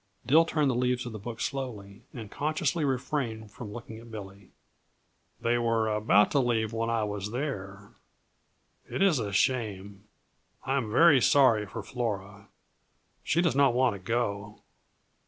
Dill turned the leaves of the book slowly, and consciously refrained from looking at Billy. "They were about to leave when I was there. It is a shame. I am very sorry for Flora she does not want to go.